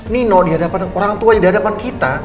nino di hadapan orang tua di hadapan kita